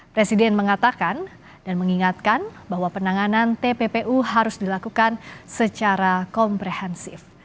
presiden mengatakan dan mengingatkan bahwa penanganan tppu harus dilakukan secara komprehensif